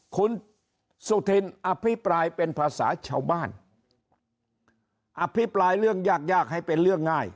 คุณสุธินอภิปรายเป็นภาษาชาวบ้านอภิปรายเรื่องยากยากให้เป็นเรื่องง่าย